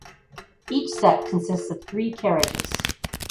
Each set consists of three carriages.